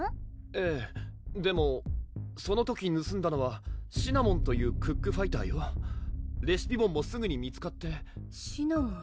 ええでもその時ぬすんだのはシナモンというクックファイターよレシピボンもすぐに見つかってシナモン？